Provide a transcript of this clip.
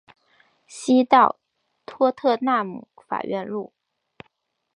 西到托特纳姆法院路。